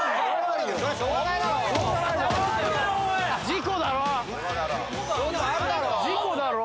事故だろ！